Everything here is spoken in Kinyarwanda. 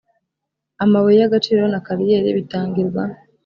amabuye y agaciro na kariyeri bitangirwa